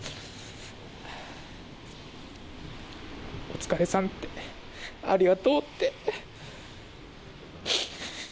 お疲れさんって、ありがとうって。